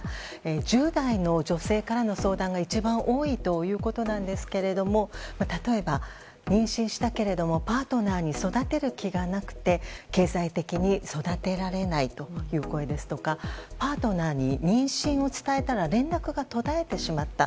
１０代の女性からの相談が一番多いということなんですが例えば、妊娠したけれどもパートナーに育てる気がなくて経済的に育てられないという声ですとかパートナーに妊娠を伝えたら連絡が途絶えてしまった。